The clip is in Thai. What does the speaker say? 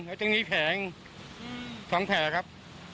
แล้วตรงนี้แผง๒แผลครับ